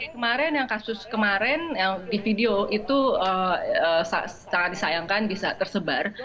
kemarin yang kasus kemarin yang di video itu sangat disayangkan bisa tersebar